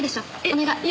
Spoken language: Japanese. お願い。